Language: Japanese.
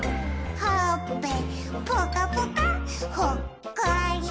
「ほっぺぽかぽかほっこりぽっ」